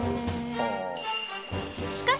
しかし